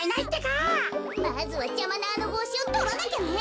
まずはじゃまなあのぼうしをとらなきゃね。